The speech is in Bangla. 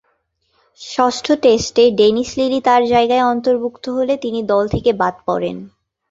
ষষ্ঠ টেস্টে ডেনিস লিলি তার জায়গায় অন্তর্ভুক্ত হলে তিনি দল থেকে বাদ পড়েন।